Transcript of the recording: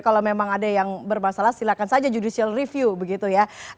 kalau memang ada yang bermasalah silakan saja judicial review begitu ya